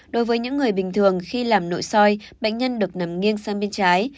đối với những người bình thường khi làm nội soi bệnh nhân được nằm nghiêng sang bên trái